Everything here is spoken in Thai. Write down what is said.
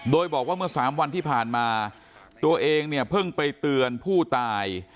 โดยบอกว่าเมื่อสามวันที่ผ่านมาตัวเองเนี่ยเพิ่งไปเตือนผู้ตาย